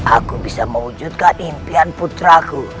aku bisa mewujudkan impian putraku